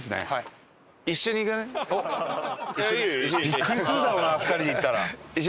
ビックリするだろうな２人で行ったら。